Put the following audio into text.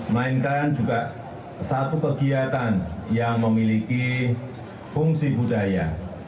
melainkan juga satu kegiatan yang memiliki fungsi budaya